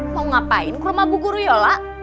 mau ngapain ke rumah ibu guru yola